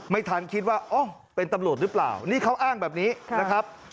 ไม่ทันคิดว่าเป็นตำรวจหรือเปล่านี่เขาอ้างแบบนี้นะครับ